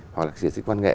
hoặc là sở thích văn nghệ